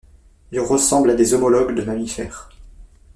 Ils ressemblent à des homologues de mammifères.